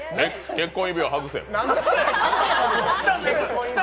結婚指輪外せ！